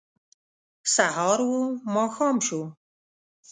سهار و ماښام شو